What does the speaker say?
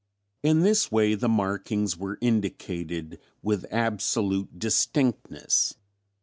In this way the markings were indicated with absolute distinctness